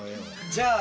じゃあ。